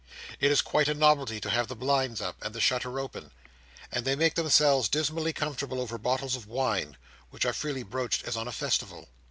It is quite a novelty to have the blinds up, and the shutters open; and they make themselves dismally comfortable over bottles of wine, which are freely broached as on a festival.